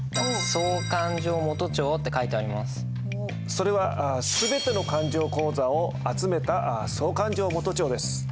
それは全ての勘定口座を集めた総勘定元帳です。